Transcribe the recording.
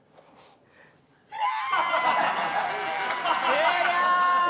終了！